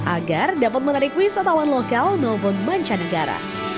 agar dapat menarik wisatawan lokal maupun mancanegara